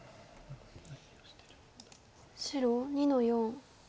白２の四。